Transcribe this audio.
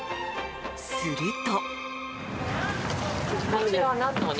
すると。